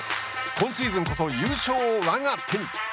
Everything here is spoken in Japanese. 今シーズンこそ優勝をわが手に！